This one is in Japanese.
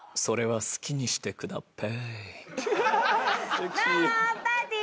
それは好きにしてくだペーイ。